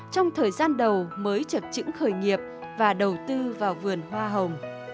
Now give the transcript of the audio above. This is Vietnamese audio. trong thời gian đầu mới chập chững khởi nghiệp và đầu tư vào vườn hoa hồng